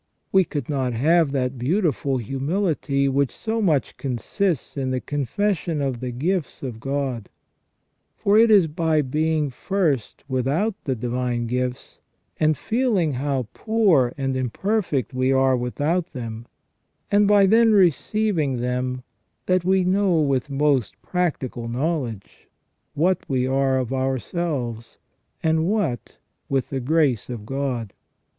We could not have that beautiful humility which so much consists in the confession of the gifts of God. For it is by being first without the divine gifts, and feeling how poor and imperfect we are without them, and by then receiving them, that we know with most practical knowledge what we are of ourselves, and what with the grace of God.